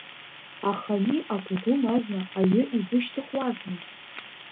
Аха ани агәыгәым азна аҩы изышьҭыхуазма?